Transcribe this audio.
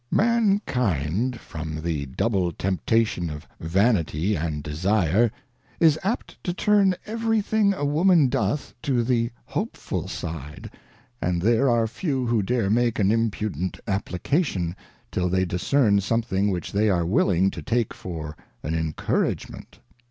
Mankind, from the double temptation of Vanity and Desire, is apt to turn everything a Woman doth to the hopeful side; and there are few who dare make an impudent Application, till they discern sometlling which they are willing to take for an Encouragement.